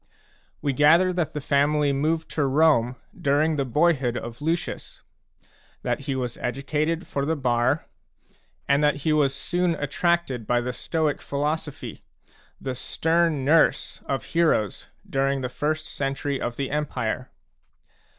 We gather that the family moved to Rome during the boyhood of Lucius, that he was educated for the bar, and that he was soon attracted by the Stoic philosophy, the stern nurse of heroes during the first century of the Empire.